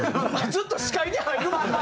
ずっと視界に入る。